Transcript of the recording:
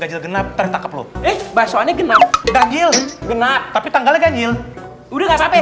udah genap tertangkap lu eh baso aneh genap dan gil benar tapi tanggalnya ganjil udah ngapape